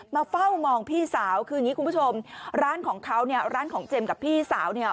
มาเฝ้ามองพี่สาวคืออย่างนี้คุณผู้ชมร้านของเขาเนี่ยร้านของเจมส์กับพี่สาวเนี่ย